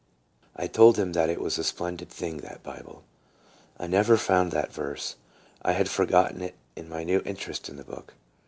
I told them that it was a " splendid thing, that Bible." I never found that verse. I had forgotten it in my new interest in the book.